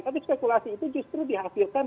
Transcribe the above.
tapi spekulasi itu justru dihasilkan